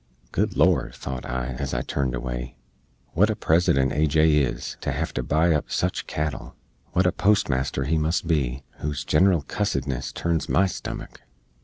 "Good Lord!" tho't I, ez I turned away, "wat a President A.J. is, to hev to buy up sich cattle! Wat a postmaster he must be, whose gineral cussedness turns my stummick!"